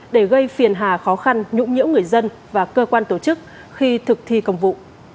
để gây phiền hà khó khăn nhũng nhiễu người dân và cơ quan tổ chức khi thực thi công vụ